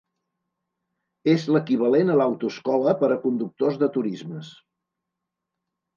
És l'equivalent a l'autoescola per a conductors de turismes.